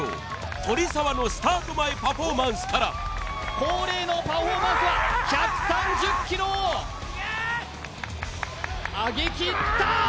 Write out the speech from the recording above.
鳥澤のスタート前パフォーマンスから恒例のパフォーマンスは１３０ｋｇを上げきったー！